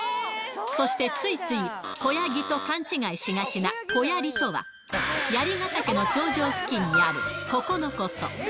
そしてついつい、子ヤギと勘違いしがちなこやりとは、槍ヶ岳の頂上付近にあるここのこと。